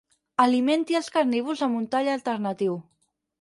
Alimenti els carnívors amb un tall alternatiu.